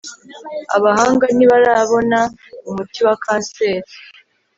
abahanga ntibarabona umuti wa kanseri